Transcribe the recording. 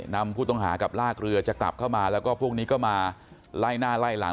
นำผู้ต้องหากับลากเรือจะกลับเข้ามาแล้วก็พวกนี้ก็มาไล่หน้าไล่หลัง